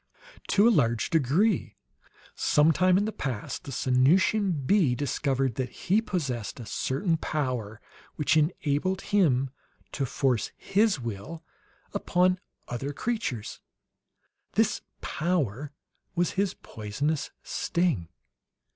"To a large degree. Some time in the past the Sanusian bee discovered that he possessed a certain power which enabled him to force his will upon other creatures. This power was his poisonous sting.